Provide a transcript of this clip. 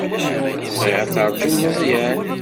Bɣiɣ ad teṛjumt Meẓyan.